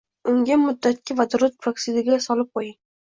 Unga muddatga vodorod peroksidiga solib qo'ying